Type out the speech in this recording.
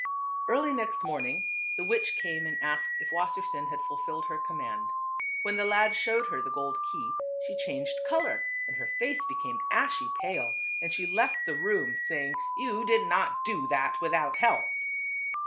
Early next morning the witch came and asked if Wassersein had fulfilled her command. When the lad showed her the gold key, she changed 294 TWO BROTHERS. color and her face became ashy pale, and she left the room, saying, " You did not do that without help."